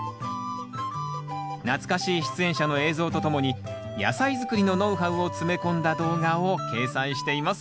懐かしい出演者の映像とともに野菜づくりのノウハウを詰め込んだ動画を掲載しています